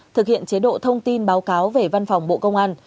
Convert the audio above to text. thực hiện chế độ thông tin báo cáo về văn phòng bộ công an